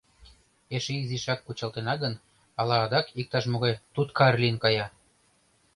— Эше изишак кучалтына гын, ала адак иктаж-могай туткар лийын кая.